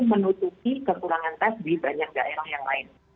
menutupi kekurangan tes di banyak daerah yang lain